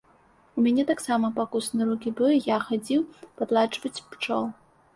У мяне таксама пакусаны рукі, бо і я хадзіў падладжваць пчол.